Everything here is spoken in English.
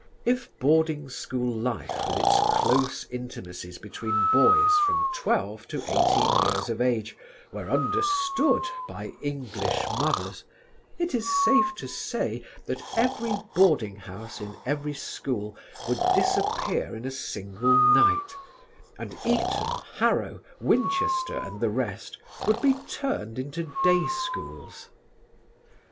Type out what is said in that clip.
If boarding school life with its close intimacies between boys from twelve to eighteen years of age were understood by English mothers, it is safe to say that every boarding house in every school would disappear in a single night, and Eton, Harrow, Winchester and the rest would be turned into day schools.